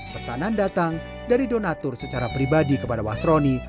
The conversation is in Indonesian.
pesanan datang dari donatur secara pribadi kepada wasroni